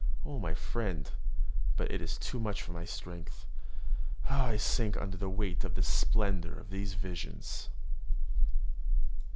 O my friend but it is too much for my strength I sink under the weight of the splendour of these visions!